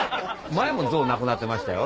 前も象亡くなってましたよ